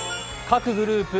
各グループ